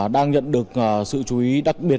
đang nhận được sự chú ý đặc biệt